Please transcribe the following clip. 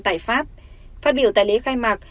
tại pháp phát biểu tại lễ khai mạc